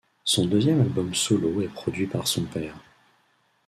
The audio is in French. Son deuxième album solo est produit par son père.